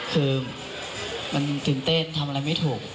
คือมันตื่นเต้นทำอะไรไม่ถูก